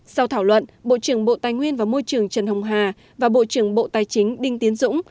sau thảo luận bộ trưởng bộ tài nguyên và môi trường trần hồng hà và bộ trưởng bộ tài chính đinh tiến dũng